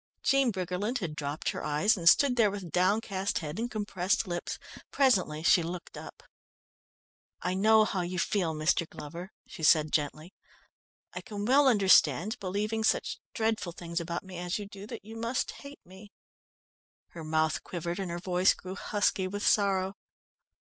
Jean Briggerland had dropped her eyes, and stood there with downcast head and compressed lips. Presently she looked up. "I know how you feel, Mr. Glover," she said gently. "I can well understand, believing such dreadful things about me as you do, that you must hate me." Her mouth quivered and her voice grew husky with sorrow.